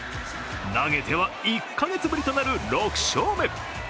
投げては１か月ぶりとなる６勝目。